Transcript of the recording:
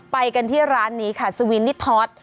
ไปกันที่ร้านนี้ค่ะสวินนี่ท็อต